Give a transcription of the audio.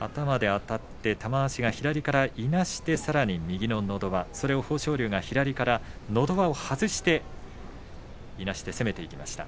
頭であたって玉鷲が左からいなして右ののど輪そこを豊昇龍がのど輪を外していなして攻めていきました。